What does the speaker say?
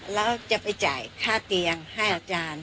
แล้วจะไปจ่ายค่าเตียงให้อาจารย์